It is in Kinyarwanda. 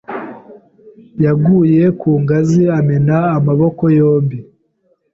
yaguye ku ngazi amena amaboko yombi.